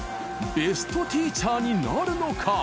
ベストティーチャーになるのか？